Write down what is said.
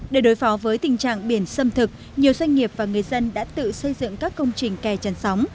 để đối phó với tình trạng biển xâm thực nhiều doanh nghiệp và người dân đã tự xây dựng các công trình kè chăn sóng